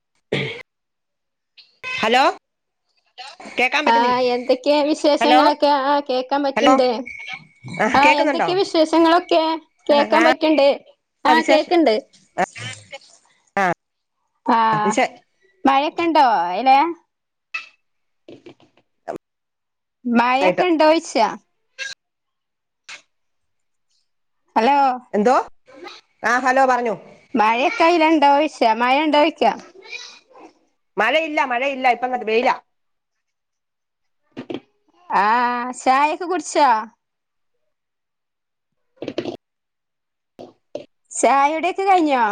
[unintelligible] [unintelligible] Hello കേക്കാൻ ആ പറ്റുന്നില്ലേ എന്തൊക്കെയാ ഹലോ വിശേഷങ്ങളൊക്കെ ആ കേൾക്കാൻ ഹലോ പറ്റണ്ട്, ആ എന്തൊക്കെ വിശേഷങ്ങളൊക്കെ ആ കേൾക്കാൻ പറ്റണ്ട്, ആ കേൾക്കണ്ട്. ആ ആ വിശേ മഴയെക്കെ ഇണ്ടോ ഇ ഏ [unintelligible] ആയിട്ട് മഴയെക്കെ ഇണ്ടോ ഓയിച്ച. ഹലോ എന്തോ ആ ഹലോ പറഞ്ഞു. മഴയെക്കെ അയിലെണ്ടോ ഓയിച്ച മഴയുണ്ടോന്ന് ഓയിച്ച. മഴ ഇല്ല മഴ ഇല്ല ഇപ്പ ഇങ്ങട് വെയില. ആ ചായയൊക്കെ കുടിച്ച. [unintelligible] ചായ കുടിയൊക്കെ കൈഞ്ഞോ?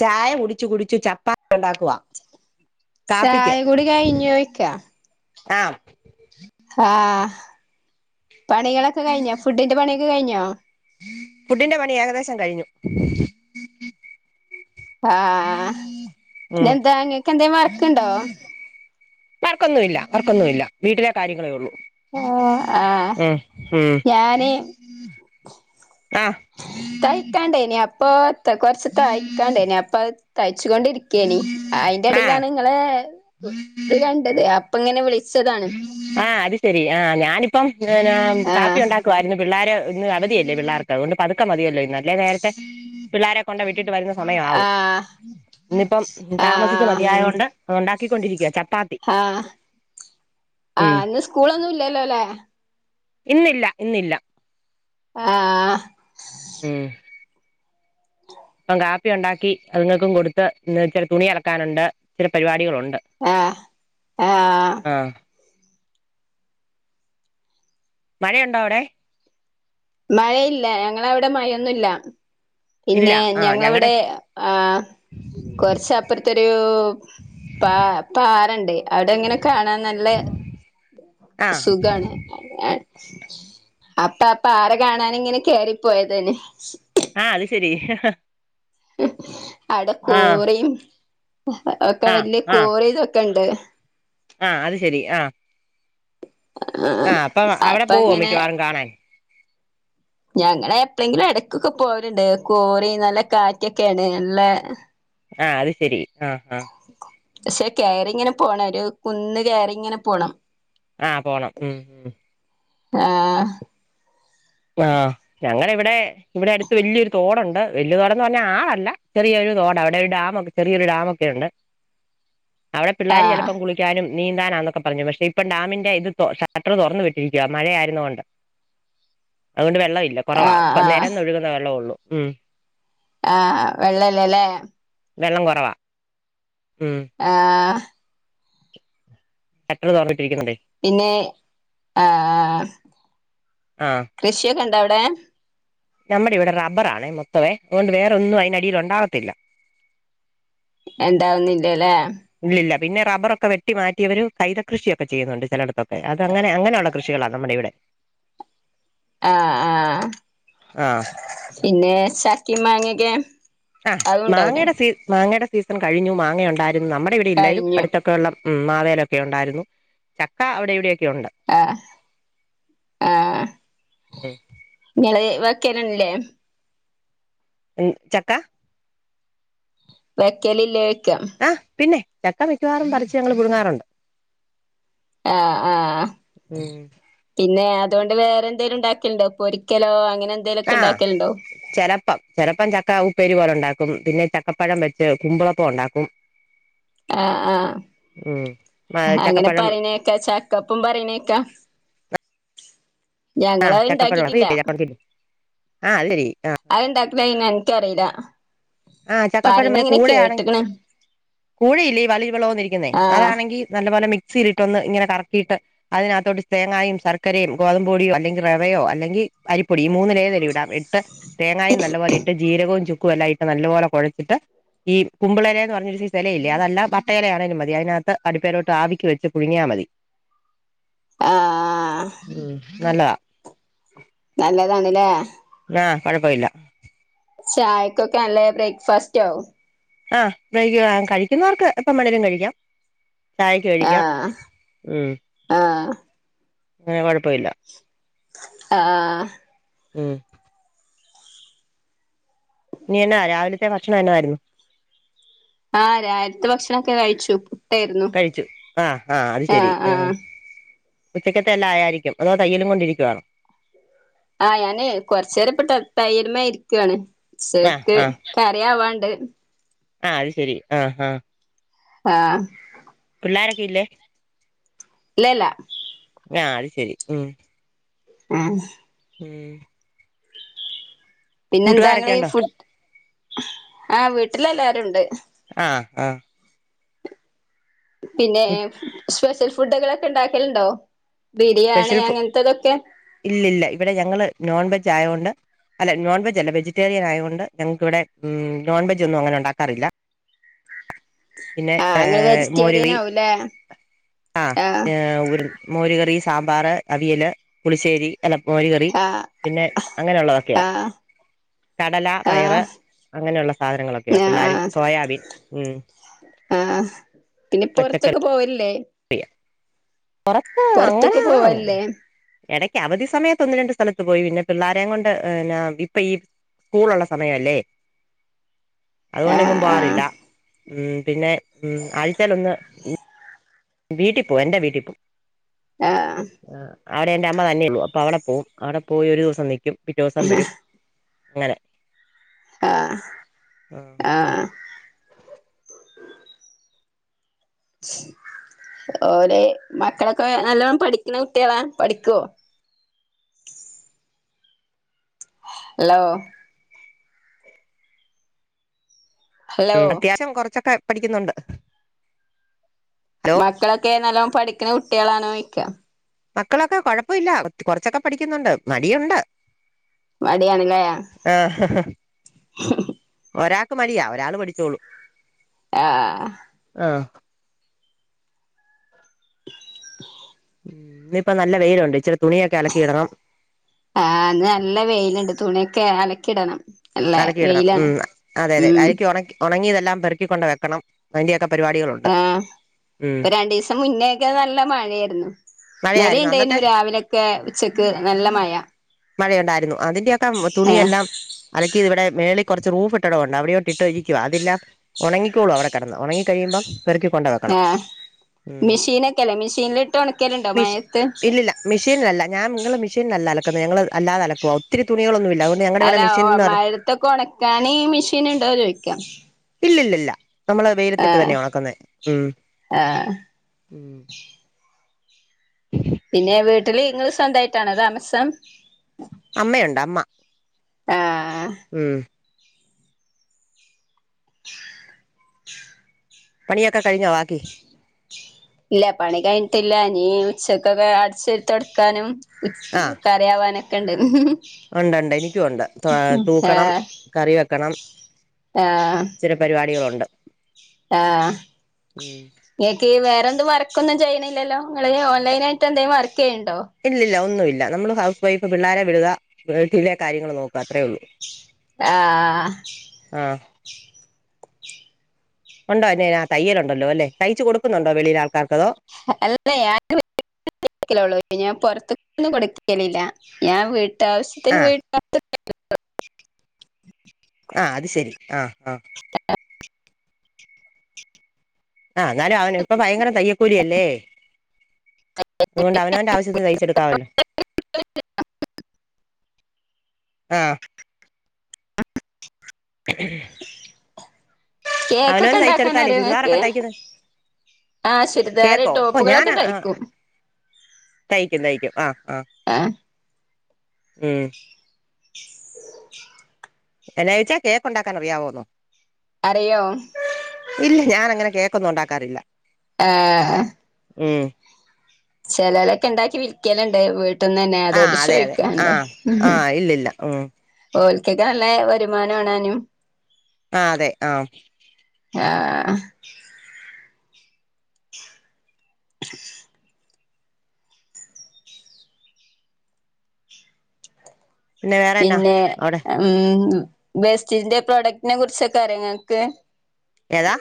ചായ കുടിച്ചു കുടിച്ചു, ചപ്പാത്തി ഉണ്ടാക്കുവാ. കാപ്പിക്ക് ചായ കുടി കൈഞ്ഞോ ചോയിക്ക. ആ ആഹ് പണികളൊക്കെ കൈഞ്ഞോ ഫുഡിൻ്റെ പണിയൊക്കെ കൈഞ്ഞോ? ഫുഡിൻ്റെ പണി ഏകദേശം കൈഞ്ഞു. ആഹ് ഇനി ഉം എന്താ ഇങ്ങക്ക് [unintelligible] വർക്ക് ഇണ്ടോ? വർക്കൊന്നും ഇല്ല വർക്കൊന്നും ഇല്ല വീട്ടിലെ കാര്യങ്ങളെ ഒള്ളു. ആ അ ഉം ഞാനേ ആ തൈക്കാനിണ്ട് ഇനിയ [unintelligible] ത്തെയ് കൊർച്ച് തഴിക്കാൻ ഇണ്ടായിനി അപ്പ അയ് തൈ ച്ചു കൊണ്ട് ഇരിക്കെയെനി അയിൻ്റെ ആ എടിലാണ് ഇങ്ങളെ ഇത് കണ്ടെത് അപ്പ ഇങ്ങനെ വിളിച്ചെതാണ് ആഹ് അത് ശെരി ആഹ് ഞാനിപ്പം ഇങ്ങെനെ കാപ്പി ആഹ് ഉണ്ടാക്കുവായിരുന്നു പിള്ളാര് ഇന്ന് അവധിയല്ലേ പിള്ളേർക്ക് അതുകൊണ്ട് പതുക്കെ മതിയല്ലോ ഇന്ന് അല്ലെ നേരത്തെ പിള്ളാരെ കൊണ്ട് വിട്ട് ട്ട് വരുന്ന സമയമാവും ആഹ് ഇന്നിപ്പം താമസിച്ച് ആഹ് മതിയായോണ്ട് അത് ഒണ്ടാ - കൊണ്ടിരിക്കുവ ചക്കേ - ആഹ് ആ ഉം ഇന്ന് സ്കൂളൊന്നും ഇല്ലല്ലോ അല്ലേ ഇന്നില്ല ഇന്നില്ല ആ ഉം അപ്പം കാപ്പി ഉണ്ടാക്കി അതുങ്ങൾക്കും കൊടുത്ത് ഇന്ന് ഇച്ചിരി തുണി അലക്കാനുണ്ട് ചില പരിപാടികളുണ്ട്- ആഹ് ആഹ് മഴയുണ്ടോ അവിടെ മഴയില്ല ഞങ്ങളവിടെ മഴയൊന്നുവില്ല ഇല്ല പിന്നെ ആഹ് ഞങ്ങടെ ഞങ്ങളവിടെ ആ കുറച്ചപ്പുറത്തോരു പാ പാറണ്ട് അവിടെങ്ങനെ കാണാൻ നല്ല ആഹ് സുഖവാണ് അപ്പ [unintelligible] പാറ കാണാന് ഇങ്ങനെ കേറിപ്പോയതാന് ആ അത് ശരി [inaudible] ആഹ് അടെക്കൂറയും ഒക്കെ ആഹ് വലിയ ആഹ് കോരയും ഇതൊക്കെ ഉണ്ട് ആഹ് അത് ശരി ആഹ് ആ അപ്പം അവിടെ അപ്പൊ പോവോ മിക്കവാറും കാണാൻ ഞങ്ങളെ എപ്പളെങ്കിലും ഇടക്കൊക്കെ പോവാല്ണ്ട് കോറി നല്ല കാറ്റൊക്കെയാണ് നല്ല ആ അത് ശരി ആഹ് ആഹ് പക്ഷെ കയറി ഇങ്ങനെ പോണം ഒരു കുന്ന് കേയറിങ്ങനെ പോണം ആ പോണം ഉം ഉം ആ വിടെ ഇവിടെ അടുത്ത് വലിയൊരു തോടുണ്ട് വലിയ തോടെന്ന് പറഞ്ഞ ആളല്ല ചെറിയൊരു തോട അവിടെ ഒരു ഡാമ ചെറിയൊരു ഡാമ് ഒക്കെ ഒണ്ട് അവിടെ പിള്ളാര് ആഹ് ചിലപ്പം കുളിക്കാനും നീന്താനാന്നൊക്കെ പറഞ്ഞു പക്ഷെ ഇപ്പൊ ഡാമിന്റെ ഇത് ഷട്ടർ തുറന്നു വിട്ടിരിക്കുവാ മഴ ആയിരുന്നുകൊണ്ട് അതുകൊണ്ട് വെ വെള്ളവില്ല കുറവാ ആഹ് ഇ ആഹ് നിരന്നൊഴുകുന്ന വെള്ളവെ ഉള്ളൂ ഉം ആഹ വെള്ളല്ലേല്ലേ വെള്ളം കുറവാ ആഏ എത്ര പിന്നെ ആഹ ആഹ് കൃഷിയൊക്കെ ഉണ്ടോ അവിടെ ഏ നമ്മുടെ ഇവിടെ റബ്ബറാണ മൊത്തവേ അതുകൊണ്ട് വേറെൊന്നും അതിന്ടിൽുണ്ടാവത്തില്ല എണ്ടാവുന്നില്ലല്ലേ ഇല്ലില്ല പിന്നെ റബ്ബറൊക്കെ വെട്ടി മാറ്റിയവര് കൈത കൃഷിയൊക്കെ ചെയ്യുന്നുണ്ട് ചിലയിടത്തൊക്കെ അത് അങ്ങനെ അങ്ങനെയുള്ള കൃഷികളാണ് നമ്മുടെ ഇവിടെ ആഹ ആഹ ആഹ് പിന്നെ ഈ മാങ്ങയൊക്കെ ആഹ മാങ്ങയുടെ സീ മാങ്ങയുടെ സീസൺ കഴഞ്ഞു മാങ്ങയ ഉണ്ടായി നമ്മുടെ ഇവിടെ ഇല്ലായാലും കഴിഞ്ഞു അടുതൊക്കെ ഉള്ള ഉം മാവേലൊക്കെ ഉണ്ടായിരുന്നു ചക്ക അവിടെ എവിടെ ആഹ് ആഹ ഇങ്ങെ വക്കാനല്ലേ ചക്ക വെക്കലില്ലേ വയ്ക്കാം ആഹ് പിന്നെ ചക്ക മിക്കവാറും പറിച്ച് ഞങ്ൾ പുഴുങ്‌രുണ്ട് ആഹ ആഹ് ഉം പിന്നെ അതുകൊണ്ട് വേറെ എന്തേലും ഉണ്ടാക്കിണ്ട പൊരിക്കലോ അങ്ങനെ എന്തേലുമൊക്കെ ആഹ ഉണ്ടാക്കലുണ്ടോ ചെലപ്പം ചെറുപ്പം ചക്ക ഉപ്പേരി പോലെ ഉണ്ടാക്കും പിന്നെ ചക്കപ്പഴം വെച്ച് കുമ്പിളപ്പം ഉണ്ടാക്കും ആഹ ഉം ആഹ അങ്ങനെ ചക്കപ്പഴം പറണേക്കാം ചക്കപ്പും പറണേക്കാം ആഹ് ഞങ്ങളത് ചക്കപ്പഴം ഇണ്ടാക്കിട്ടില്ല അറിയത്തില്ലേ ചക്കപ്പഴത്തിന്റെ ആഹ് അത് ശരി ആഹ് അതന്ത താാക്കതായിന [unintelligible] ിക്കറതാ [unintelligible] ആഹ ചക്കപ്പഴം കൂടെയാണെ കൂഴയില്ലേ വലിരു വിളം വന്നിരിക്കുന്നേ ആഹ് അതാണെങ്കി നല്ലപോലെ മി ീരിട്ടൊ ഒന്ന് ഇങ്ങെ കറക്കിയിട്ട് അതിനകത്തോട്ട് തേങ്ങയുംും ശർക്കരയും ഗോതമ്പൊടിയോ അല്ലെങ്ക റെവയോ അല്ലെങ്കിൽ അരീ പൊടി മൂന്നിലേഏതല വിടാം എട്ട് തേങ്ങായ നല്ല പോലെ ഇട്ട് ജീരകവും ച കുലായി നല്ല പോോലെ കുഴച്ചിട്ട് ഈ കുമ്പളല എന്ന് പറഞ്ഞൊരു ഇലയില്ലേ അതല്ല വട്ട ഇലയാണേലും മതി അതിനകത്ത് അടുപ്പേരോട്ട് ആവിിക്കക്ക് വെച്ച് പുഴുങ്ങിയൽ മതി ആഹ് ഉ നല്ല നല്ലതാണല്ലേ ആഹ് കുഴപ്പമില്ല ചായക്കൊക്കെ നല്ല ബ്രേക്ക്ഫാസ്റ്റ് ആവുംും ആഹ് അ കഴിക്കുന്നവർക്ക് ഇപ്പം മണേരും കഴിക്കാം ചായ ക കഴിക്കാം ആഹ് മ്മ് ആഹ് അങ്ങനെ കൊഴപ്പില്ല ആ ഉം ഇനിന്നെ രാവിലത്തെ ഭക്ഷണം എന്നന്ന ആായിരുന്നു ആഹ രയിരത്തെ ഭക്ഷണൊക്കെ കഴിച്ചു പുട്ടായിരുന്നു കഴിച്ചു ആഹ് ആഹ് അത് ശെരി ആ ഉച്ചക്കത്തെല്ലാം ആയായിരിക്കും അതോ തയ്യലും കൊണ്ടിരിക്കുവവാണോ ആഹ് ഞാന് കൊറച്ച നേേരം ഇപ്പട്ട തയ്യല് മേ ഇരികാണ് സക്ക് കറിയാവാണ്ട് ണ്ട് ആഹ അത് ശരി ആഹ ആഹ ആഹ എല്ലാരൊക്ക ഇല്ലേ ഇല്ലല്ല ആല് ശരി ഉ ആഹ ഉം പിന്നെന്താങ്ങ കൂട്ടുകാരൊക്കെ ഉണ്ടോ ഫുഡ് ആഹ് വീട്ടിലെ എല്ലാരും ഉണ്ട് ആഹ ആഹ പിന്നെ സ്പെഷ്യൽ ഫുഡുകളൊക്കെ ഉണ്ടാക്കിയലുണ്ടോ സ്പെഷ്യൽ ഫു ഇല്ലല്ല ഇവിടെ ഞങ്ങള് നോൺവെജ് ് ആയൊണ്ട് അല്ല നോൺവെജ് അല്ല വെജിറ്റേറിയൻ ആയത്ൊണ്ട് ഞങ്ങൾക്ക്വിടെ നോൺ വെജ ഒന്നും അങ്ങനെ ഉണ്ടാക്കാറില്ല പിന്നെ ആഹ് ഏ ഇങ്ങള് വെജിറ്റേറിയൻ മോരുകറി ആവൂലേ ആ ആഹ് ഉർ മോർ കറി സാമ്പാർ അവിയല് പുളിശ്ശേരി എ ല മോർ കറി ആഹ് പിന്നെ അങ്ങനെയുള്ളതൊക്കെയാണ് ആഹ് കടല പയറ് ആഹ് അങ്ങനെയുള്ള സാധനങ്ങളൊക്കെയ പിള്ളരും ആഹ് സോയാബീൻ ഉ ആഹ് പിന്നെപ്പ പുറത്തൊക്കെ പോവല്ലേ യ്യാ പൊറത്തൊക്കെ പോവല്ലേ എടക്ക് അവധി സമയത്ത് ഒന്ന് രണ്ട് സ്ഥലത്ത് പോയി പിന്നെ പിള്ളാരേം കൊണ്ട് ന്നാ ഇപ്പൊ ഈ സ്കൂളുള്ള സമയല്ലേ അതുകൊണ്ടെങ്ങും പോവാറില്ല ആഹ് ഉം പിന്നെ ഉം ആഴ്ചേലൊന്ന് വീട്ടി പോവും എന്റെ വീട്ടിൽ പോവും ആ അവിടെ എന്റെ അമ്മ തന്നെയൊള്ളു അപ്പൊ അവിടെ പോവും അവിടെ പോയൊരൂസം നിക്കും പിറ്റൂസം വരും അങ്ങനെ ആ ആ ഓര് മക്കളൊക്കെ നല്ലവണം പഠിക്ക്ണ കുട്ട്യാളാ പഠിക്കോ ലോ ഹലോ ഉം അത്യാവശ്യം കൊറച്ചൊക്കെ പഠിക്കുന്നുണ്ട് ഹലോ മക്കളെ ക്കെ നല്ലോം പഠിക്ക്ണ കുട്ടികളാണോയ്ക്ക മക്കളൊക്കെ കൊഴപ്പയില്ല കൊറച്ചൊക്കെ പഠിക്കുന്നുണ്ട് മടിയുണ്ട് മടിയണ്ലെ ആഹ് ക്ക് മടിയാ ഒരാള് പഠിച്ചോളും ആ ആ [unintelligible] ഉം ഇന്നിപ്പ നല്ല വെയിലുണ്ട് ഇച്ചിരി തുണിയൊക്കെ അലക്കിയിടണം ആ ന്ന് നല്ല വെയില്ണ്ട് തുണിയൊക്കെ അലക്കിടണം അല്ലേ അലക്കി ഇടണം വെയിലാണ് ഉം അതെ അതെ ഉം അലക്കി ഒണക്കി ഉണങ്ങിയതെല്ലാം പെറുക്കിക്കാെണ്ട് വെക്കണം അതിന്റെക്കെ ആ ഇ പ്പ രണ്ടീസം മുന്നേക്കെ നല്ലെ മഴേയ്ര്ന്നു മഴയായിരുന്നു ഇന്നാലീണ്ടേയ്നു അന്നത്തെ രാവിലൊക്കെ ഉച്ചക്ക് നല്ല മഴ മഴയുണ്ടായിരുന്നു അതിന്റെയൊക്കെ ആ തുണിയെല്ലാം അലക്കിയത് ഇവിടെ മേളി കാെറച്ച് റൂഫ് ട്ടടോണ്ട് അവിടാേട്ട ഇട്ടാേ ഇരിക്ക അതില്ല ഒണങ്ങിക്കോളും അവിടെ കെടന്ന് ഒണങ്ങി കഴിയുമ്പം പെറുക്കി കൊണ്ട് വെക്കണം ആഹ് ഉം മെഷീനൊക്കെല്ലേ മെഷീനിലിട്ട് ഒണക്കലുണ്ടോ മിഷ് മഴയത്ത് ഇല്ലല്ല മിഷീൻലല്ല ഞാൻ നിങ്ങള് മേഷീൻലല്ല അല ഞങ്ങള് അല്ലാതെ അലക്കുവാ ഒത്തിരി തുണികളൊന്നുല്ല അതുകൊണ്ട് ഞങ്ങടെവിടെ അല്ല മി മഴത്തൊക്കെ ഉണക്കാൻ മെഷീൻ ഉണ്ടാവ ചോദിക്കാം ഇല്ലില്ലില്ല നമ്മള് വെയിലത്തിട്ട് ആഹ തന്നെയാ ഉണക്കുന്നെ ഉം ആഹ പിന്നെ വീട്ടിൽ ഇങ്ങൾ സ്വന്തമായിട്ട് തെന്നെയാണോ താമസം അമ്മയുണ്ട് അമ്മ ആഹ് മ് പണിയാക്കാ കഴിഞ്ഞാ ബാക്കി ഇല്ല പണി കഴിഞ്ഞിട്ടില്ല ഇനീ ഉച്ചക്കൊക്കെ അടിചേരി തുടക്കാനും ഉമ് കറിയാവാനോക്കെ ക്കെഉണ്ട് ഉണ്ടണ്ട് എനിക്കും ഉണ്ട് തൂക്കണം ആഹ് കറി വെക്കണം ആഹ് ചില പരിപാടികളുണ്ട് ആഹ് ഉം ങ്ങൾക്ക് വേറെന്ത വർക്ക് ഒന്നും ചെയ്യിണിഇല്ലല്ലോ നിങ്ങൾ ഓൺലൈനാആയിട്ട് എന്തെങ്കും വർക്ക് ചെയ്യന്നുണ്ടോ ഇല്ലില്ല ഒന്നുമില്ല നമ്മള് ഹൗസ് വൈഫ് പിള്ളേരെ വിടുക വീട്ടിലെ കാര്യങ്ങള് നോക്കുക അത്രേ ഉള്ളു ആഹ ഉണ്ടോ എന്ന തയ്യലുണ്ടല്ലോ അല്ലേ തയ്ച്ച കൊടുക്കുന്നുണ്ടോ വെളിയിൽ ആൾക്കാർക്ക അതോ അല്ലഞൻ [unintelligible] ഞാൻ പുറത്തന്നും കൊടുക്കലില്ല ഞാൻ വീട്ട വീട്ടാവിഷ്യത്തിന് ആഹ് [unintelligible] ആ അത് ശരി ആ ആഹ ആ് എന്നാലും അവന ഇപ്പ ഭയങ്കര തയ്യൽക്കൂലിയല്ലേ അതുകൊണ്ട് അവനവന്റെ ആവശ്യത്തി തയിച്ചെടുക്കാവല്ലോ ആഹ [unintelligible] കേക്കൊക്കെ അവനവന് ഉണ്ടാക്കാൻ തയ്ച്ചെടുത്താലേ അറിയോ നിങ്ങൾക്ക് ചുരിദാറൊക്കെ തയ്ക്കുന്നത് ആഹ ചുരിദാർ കേക്കോ ഓ ടോപ്പുകളൊക്കെ ഞാനാ തയ്ക്കും തയ്ക്കും തയ്ക്കും ആഹ് ആഹ് ആഹ ഉം എന്നാചോദിച്ചേ കേക്ക് ഉണ്ടാക്കാൻ അറിയാവോന്നോ അറിയോ ഇല്ല ഞാൻ അങ്ങനെ കേക്ക കേക്കൊന്നും ഉണ്ടാക്കാനറിയില്ല ആഹ മ് ചേലോലൊക്കെ ഉണ്ടാക്കി വിൽക്കലുണ്ട് വീട്ട വീട്ട്ന്ന് തന്നെ ആ അതോണ്ട് അതെ അതെ ആ ചോദിക്കാട്ടോ ആ ഇല്ലില്ല ഉം കേക്ക്ഒക്കെ നല്ല വരുമാനംആണേനും ആ അതെ ആഹ് ആ വേറെന്നാ പിന്നെ അവിടെ ഉമ് ബേസ്റ്റിന്റെ പ്രോഡക്റ്റിനെ കുറിച്ചൊക്കെ അറിങ്ങക്ക് ഏതാ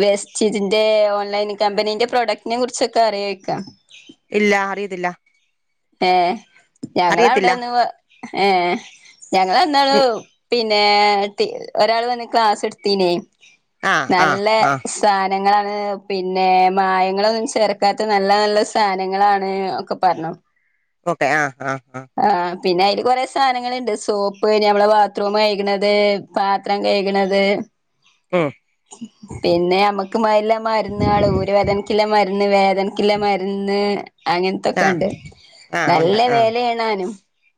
വേസ്റ്റ്തിന്റെ ഓൺലൈൻ കമ്പനീന്റെ പ്രോഡക്റ്റിനെ കുറിച്ചൊക്കെ അറിയ്ക്ക് ഇല്ല അറിയത്തില്ല ഏ അറിയത്തില്ല ഞങ്ങളവിടെന്ന് വ് ഏഹ് ഞങ്ങളെന്നാണ് നി- പിന്നെ തി ഒരാള് വന്ന് ക്ലാസെട്ത്തീന്യേ ആ ആ നല്ല ആ സ ഞങ്ങളാണ് പിന്നെ മായങ്ങളൊന്നും ചേർക്കാത്ത നല്ല നല്ല സാനങ്ങളാണ് ഒക്കെ പർഞ്ഞു. ഓക്കെ ആഹ് ആഹ് ആഹ് പിന്നെ അയില് കൊറെ സാനങ്ങള്ണ്ട്. സോപ്പ് ഞമ്മളെ ബാത്റൂം കഴിക് ണത് പാത്രം കഴിക്ണത്. ഉം പിന്നെ ഞമ്മക്ക് മാല്ല മര്ന്നേള് ഊരെ വേദനക്കില്ലെ മര്ന്ന് വേദനക്കില്ല മര്ന്ന് ആ അങ്ങൻത്തൊക്കെണ്ട്. ആ നല്ല ഉണ്ട് ആ വെലേണാനും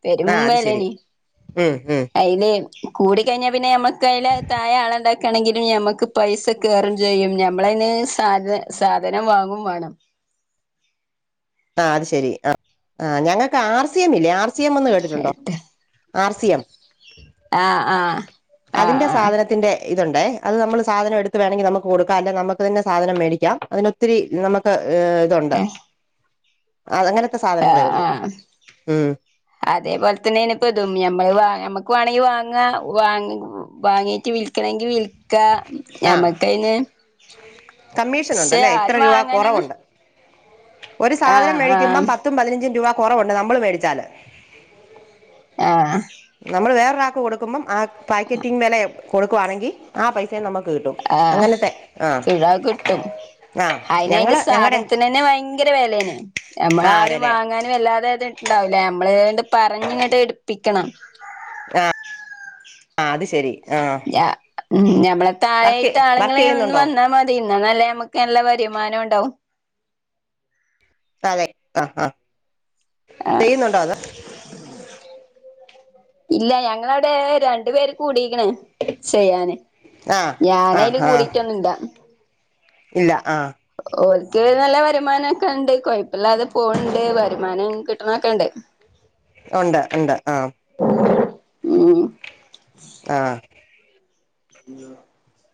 പെരും ആ അത് ശരി വെലേനി. ഉം ഉം അയില് കൂടി കഴിഞ്ഞാ പിന്നെ ഞമ്മക്ക് അയില താഴെ ആളണ്ടാക് ക്കാണെങ്കിലും ഞമക്ക് പൈസ കേറും ചെയ്യും ഞാ ഞമ്മളയ്ന് സാന് സാധനം വാങ്ങും വാണം അത് ശരി ആഹ് ആഹ് ഞങ്ങക്ക് ആർ സി എംല്ലേ ആ സിയമെന്ന് കേട്ടിട്ടുണ്ടോ? എട്ട് ആർ സി എം ആഹ് ആഹ് ആഹ് അതിന്റെ ആഹ് സാധനത്തിന്റെ ഇതുണ്ടെ അത് നമ്മള് സാധനം എടുത്ത് വേണങ്കിൽ നമുക്ക് കൊടുക്കാം അല്ലെ നമ്മുക്ക് തന്നെ സാധനം മേടിക്കാം അതിന് ഒത്തിരി നമ്മുക്ക് ഏ ഇതുണ്ട് അത് അങ്ങനത്തെ സാധനങ്ങളേ ആഹ് ഉള്ളൂ ആഹ് ഉം അതേപോലെ തന്നെ ഇനിപ്പതും ഞമ്മള് വാ ഞമ്മക്ക് വാണെങ്കി വാങ്ങാ വാങ്ങ വാങ്ങീട്ട് വിൽക്കണങ്കിൽ വിൽ ക്ക ആഹ് ഞമ്മക്കയ്ന്ന് കമ്മീഷൻ ക്ഷെ ഉണ്ടല്ലേ ഇത്ര ആരും രൂപ വാങ്ങാനൊന്നും കുറവുണ്ട് ഒരു സാധനം ആഹ് മേഴിക്കുമ്പം ആഹ് പത്തും പതിനഞ്ചും രൂപ കൊറവുണ്ട് നമ്മള് മേടിച്ചാല് ആഹ് നമ്മള് വേറെ ഒരാക്ക് കൊടുക്കുമ്പം ആ പാക്കറ്റിഗ് വെല കൊടുക്കുവാണെങ്കി ആ പൈസയും നമുക്ക് കിട്ടും ആഹ് അങ്ങനത്തെ ആഹ് പിഴ കിട്ടും ആഹ് അയ്ന് അയ്ന്റെ ഞങ്ങള് ഞങ്ങടെ സാധനത്തിന് തന്നെ ഭയങ്കര വെലയാണെയ് നമ്മൾ ആഹ് ആരും അതെല്ലേ വാങ്ങാനും വല്ലാതെ ഇത് ഇണ്ടാവില്ലേ നമ്മള് ഏതാണ്ട് പറഞ്ഞ് ഇങ്ങോട്ട് എടു പ്പിക്കണം ആ ആ അത് ശരി ആഹ് ഞാ ഞമ്മളെ വർക്ക് താഴെയായിട്ട് വർക്ക് ആളുങ്ങളെ ഒന്ന് ചെയ്യുന്നുണ്ടോ വന്നാ മതി എന്നാലല്ലേ നമ്മുക്ക് നല്ല വരുമാനം ഉണ്ടാവു അതെ അ അ ആ ഇല്ല ഞങ്ങളവിടെ രണ്ടു പേര് കൂടി ങ്ങനെ ചെയ്യാന് ആഹ് ഞാൻ അയ്ല് ആഹ് ആഹ് കൂടിയിട്ടൊന്നുല്ല ഇല്ല ആ ഓൽക്ക് നല്ല വരുമാനം ഒക്കെണ്ട് കൊഴപ്പെല്ലാതെ പോണ്ട് വരുമാനം കിട്ടണോക്കെണ്ട് ഉണ്ട് ഇണ്ട് മ് ആ [unintelligible]